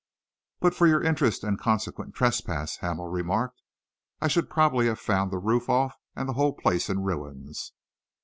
"But for your interest and consequent trespass," Hamel remarked, "I should probably have found the roof off and the whole place in ruins."